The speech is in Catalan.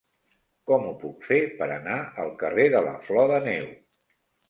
Com ho puc fer per anar al carrer de la Flor de Neu?